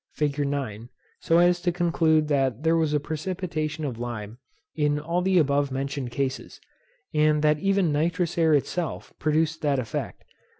fig. 9. so as to conclude that there was a precipitation of lime in all the above mentioned cases, and that even nitrous air itself produced that effect.